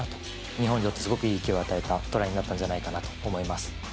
日本にすごくいい与えたトライになったんじゃかなと思います。